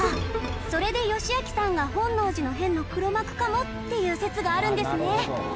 それで義昭さんが本能寺の変の黒幕かもっていう説があるんですね。